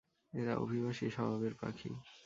এরা অভিবাসী স্বভাবের পাখি।